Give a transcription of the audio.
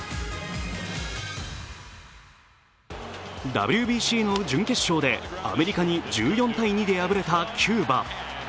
ＷＢＣの準決勝でアメリカに１４−２で敗れたキューバ。